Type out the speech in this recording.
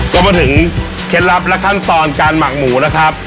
ก็มาถึงเคล็ดลับและขั้นตอนการหมักหมูนะครับ